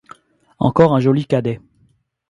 Encore un joli cadet !